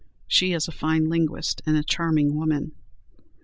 She is a fine linguist, and a charming woman.